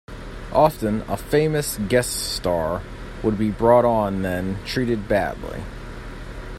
Often a "famous" guest star would be brought on then treated badly.